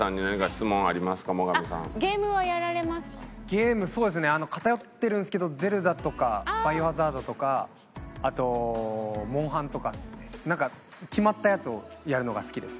ゲームそうですね偏ってるんですけど『ゼルダ』とか『バイオハザード』とかあと『モンハン』とかっすね。なんか決まったやつをやるのが好きです。